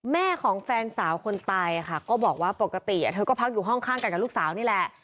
แม่ของแฟนสาวคนตายค่ะก็บอกว่าปกติเธอก็พักอยู่ห้องข้างกันกับลูกสาวนี่แหละ